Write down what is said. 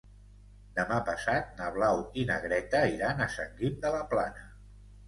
Demà passat na Blau i na Greta iran a Sant Guim de la Plana.